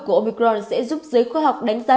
của omicron sẽ giúp giới khoa học đánh giá